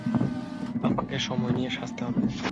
আমাকে সময় নিয়ে সাজতে হবে।